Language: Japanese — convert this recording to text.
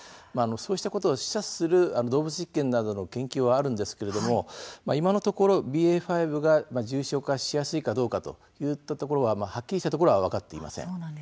そうしたことを示唆する動物実験などの研究はあるんですけれども今のところ、ＢＡ．５が重症化しやすいかどうかといったところははっきりしたところは分かっていません。